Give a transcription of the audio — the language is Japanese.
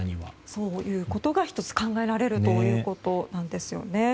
そういうことが１つ考えられるということです。